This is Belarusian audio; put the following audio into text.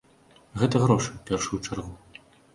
Гэта грошы, у першую чаргу.